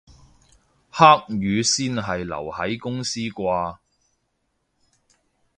黑雨先係留喺公司啩